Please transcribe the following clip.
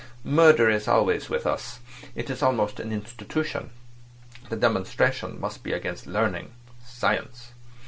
Murder is always with us. It is almost an institution. The demonstration must be against learning—science.